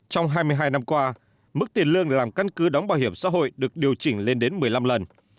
trong hai mươi hai năm qua mức tiền lương làm căn cứ đóng bảo hiểm xã hội được điều chỉnh lên đến một mươi năm lần